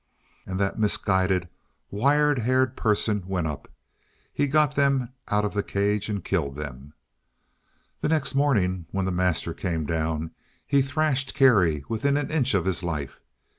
And that misguided wire haired person went up. He got them out of the cage, and killed them. The next morning, when the master came down, he thrashed Kerry within an inch of his life.